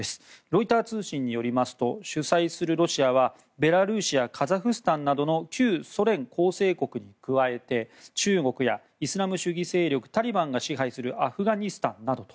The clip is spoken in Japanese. ロイター通信によりますと主催するロシアはベラルーシやカザフスタンなどの旧ソ連構成国に加えて中国やイスラム主義勢力タリバンが支配するアフガニスタンなど。